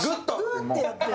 グーってやってる。